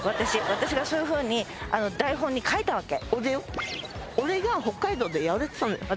私がそういうふうに台本に書いたわけ俺だよ俺が北海道でやれって言ったのよ